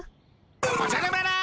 おじゃる丸。